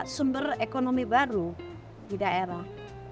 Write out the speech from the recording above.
sumber ekonomi baru di daerah